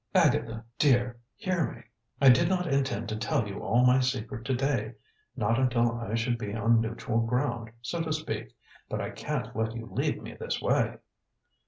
"Agatha, dear, hear me. I did not intend to tell you all my secret to day; not until I should be on neutral ground, so to speak. But I can't let you leave me this way."